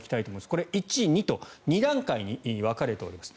これ、１、２と２段階に分かれております。